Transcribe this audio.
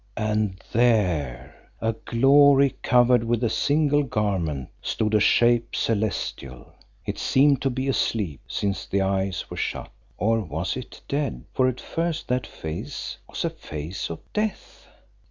and there a Glory covered with a single garment stood a shape celestial. It seemed to be asleep, since the eyes were shut. Or was it dead, for at first that face was a face of death?